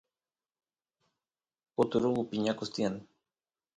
uturungu piñakus tiyan